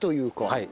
はい。